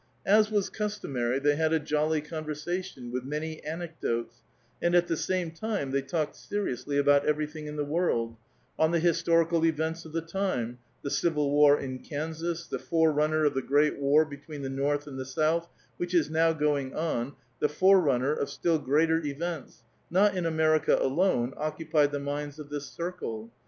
As was customar} , they had a jolly conversation, with many anecdotes, and at the same time they talked seriously about everything in the world : on the historical events of the time (the civil war in Kansas, the forerunner of the great war between tlie North and the South, which is now going on, the forerunner of still greater events, not in America alone, occupied the minds of this circle.